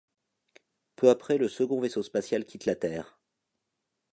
Peu après le second vaisseau spatial quitte la terre.